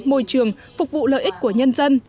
môi trường phục vụ lợi ích của nhân dân